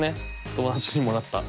友達にもらった。